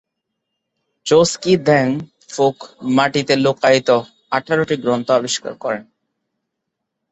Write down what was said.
ছোস-ক্যি-দ্বাং-ফ্যুগ মাটিতে লুক্কায়িত আঠারোটি গ্রন্থ আবিষ্কার করেন।